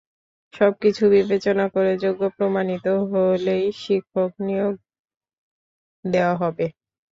সবকিছু বিবেচনা করে যোগ্য প্রমাণিত হলেই শিক্ষক হিসেবে নিয়োগ দেওয়া হবে।